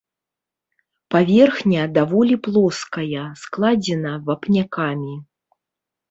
Паверхня даволі плоская, складзена вапнякамі.